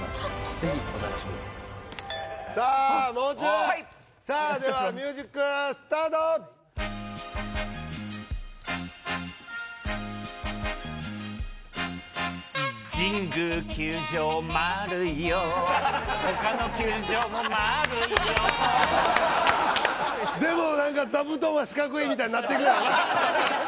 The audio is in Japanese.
ぜひお楽しみにさあもう中さあではミュージックスタートでも何か「座布団は四角い」みたいになってくのやろな